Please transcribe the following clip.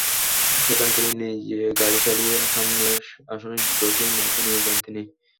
সেখান থেকে নিজে গাড়ি চালিয়ে সামনের আসনে বসিয়ে মাকে নিয়ে যান তিনি।